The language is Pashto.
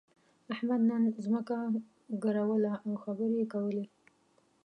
احمد نن ځمکه ګروله او خبرې يې کولې.